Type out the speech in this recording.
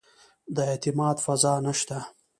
د اعتماد فضا نه شته.